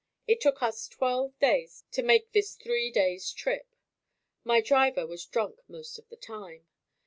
It took us twelve days to make this three day's trip. My driver was drunk most of the time.